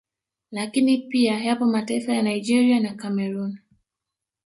Lakini pia yapo mataifa ya Nigeria na Cameroon